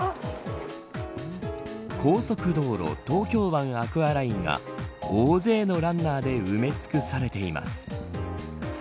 高速道路、東京湾アクアラインが大勢のランナーで埋め尽くされています。